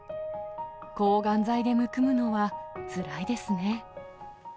抗がん剤でむくむのはつらいですね。